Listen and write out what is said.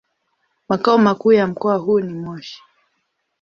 Makao makuu ya mkoa huu ni Moshi.